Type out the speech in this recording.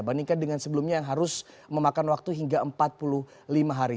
bandingkan dengan sebelumnya yang harus memakan waktu hingga empat puluh lima hari